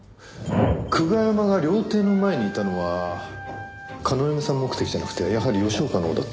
久我山が料亭の前にいたのは叶笑さん目的じゃなくてやはり吉岡のほうだったんですよ。